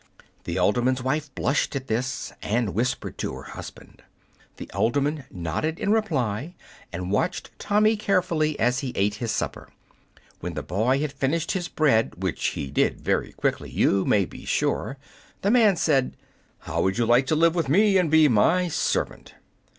The alderman's wife blushed at this, and whispered to her husband. The alderman nodded in reply, and watched Tommy carefully as he ate his supper. When the boy had finished his bread which he did very quickly, you may be sure, the man said, "How would you like to live with me and be my servant?"